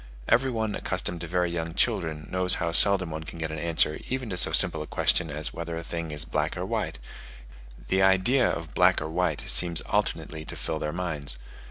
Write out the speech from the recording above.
Every one accustomed to very young children, knows how seldom one can get an answer even to so simple a question as whether a thing is black or white; the idea of black or white seems alternately to fill their minds.